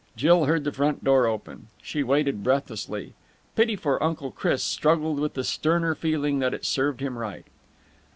Jill heard the front door open. She waited breathlessly. Pity for Uncle Chris struggled with the sterner feeling that it served him right.